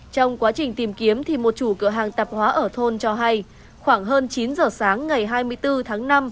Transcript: trong quá trình tìm kiếm thì một chủ cửa hàng tạp hóa ở thôn cho hay khoảng hơn chín giờ sáng ngày hai mươi bốn tháng năm